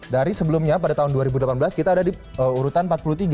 dari sebelumnya pada tahun dua ribu delapan belas kita ada di urutan empat puluh tiga